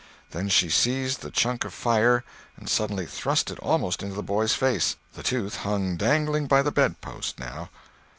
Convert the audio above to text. Then she seized the chunk of fire and suddenly thrust it almost into the boy's face. The tooth hung dangling by the bedpost, now.